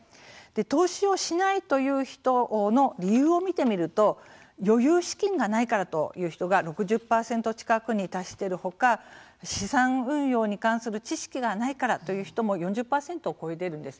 投資をしないという人の理由を見てみると余裕資金がないからという人が６０％近くに達している他資産運用に関する知識がないからという人も４０％を超えているんです。